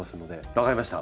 分かりました。